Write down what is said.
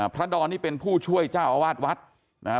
พระดรนี่เป็นผู้ช่วยเจ้าอาวาสวัดนะครับ